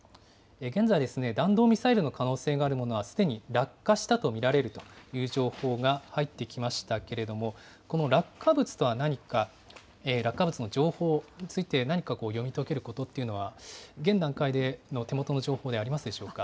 現在、弾道ミサイルの可能性があるものはすでに落下したと見られるという情報が入ってきましたけれども、この落下物とは何か、落下物の情報について、何か読み解けることっていうのは、現段階の手元の情報でありますでしょうか？